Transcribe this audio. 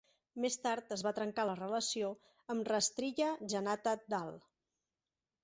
Més tard es va trencar la relació amb Rashtriya Janata Dal.